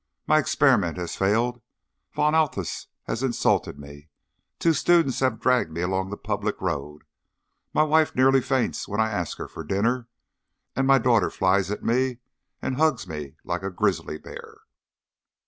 "My experiment has failed. Von Althaus has insulted me. Two students have dragged me along the public road. My wife nearly faints when I ask her for dinner, and my daughter flies at me and hugs me like a grizzly bear."